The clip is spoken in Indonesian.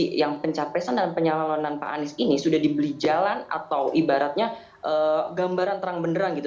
jadi yang pencapresan dan pencalonan pak anies ini sudah dibeli jalan atau ibaratnya gambaran terang benderang gitu